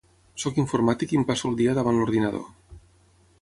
Soc informàtic i em passo el matí davant l'ordinador.